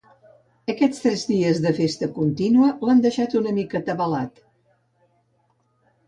Aquests tres dies de festa contínua l'han deixat una mica atabalat.